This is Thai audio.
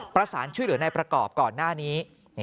ประสานช่วยเหลือนายประกอบก่อนหน้านี้